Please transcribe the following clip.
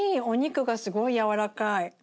お肉がすごい軟らかい。